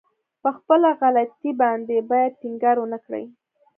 په خپله غلطي باندې بايد ټينګار ونه کړي.